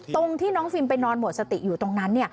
ตรงที่น้องฟิล์มไปนอนหมดสติอยู่ตรงนั้น